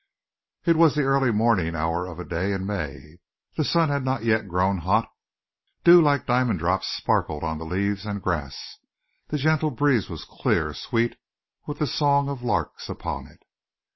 It was the early morning hour of a day in May. The sun had not yet grown hot. Dew like diamond drops sparkled on the leaves and grass. The gentle breeze was clear, sweet, with the song of larks upon it.